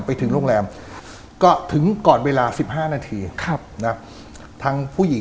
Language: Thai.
ไปถึงโรงแรมก็ถึงก่อนเวลาสิบห้านาทีครับนะทางผู้หญิง